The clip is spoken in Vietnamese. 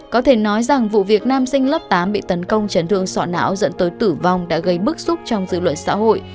có thể nói rằng vụ việc nam sinh lớp tám bị tấn công chấn thương sọ não dẫn tới tử vong đã gây bức xúc trong dự luận xã hội